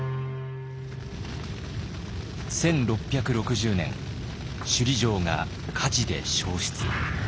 １６６０年首里城が火事で焼失。